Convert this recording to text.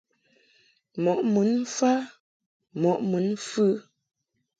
Mɔʼ mun mfa mɔʼ mun mfɨ.